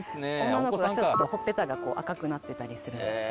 女の子はちょっとほっぺたが赤くなってたりするんです。